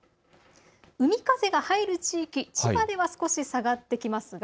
海風が入る地域、千葉では少し下がってきます。